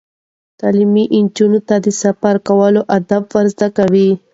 تعلیم نجونو ته د سفر کولو آداب ور زده کوي.